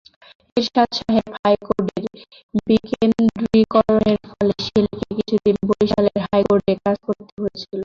এরশাদ সাহেব হাইকোর্টের বিকেন্দ্রীকরণের ফলে শেলীকে কিছুদিন বরিশালের হাইকোর্টে কাজ করতে হয়েছিল।